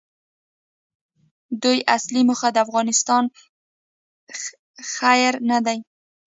د دوی اصلي موخه د افغانستان خیر نه دی.